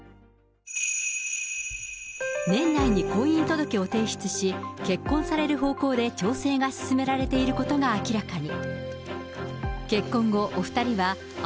年内に婚姻届を提出し、結婚される方向で調整が進められていることが明らかに。